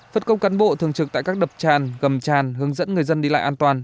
phật công cán bộ thường trực tại các đập tràn gầm tràn hướng dẫn người dân đi lại an toàn